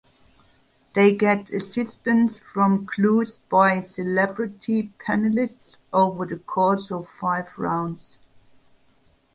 They get assistance from clues by "celebrity panelists" over the course of five rounds.